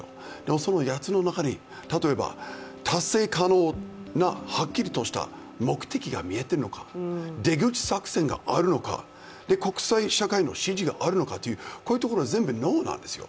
その８つの中に、例えば達成可能なはっきりとした目的が見えているのか出口作戦があるのか国際社会の支持があるのかこういうところ、全部ノーなんですよ。